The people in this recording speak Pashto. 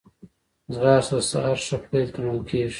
ځغاسته د سهار ښه پيل ګڼل کېږي